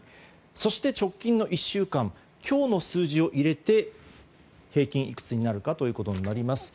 そして直近１週間今日の数字を入れて平均いくつになるかになります。